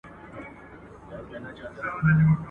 o ادم خان دي په خيال گوروان درځي.